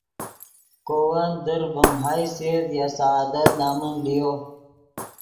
کو ون در ڤیم حیثیت یا سعادت نمن لیو